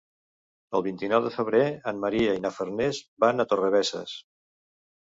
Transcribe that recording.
El vint-i-nou de febrer en Maria i na Farners van a Torrebesses.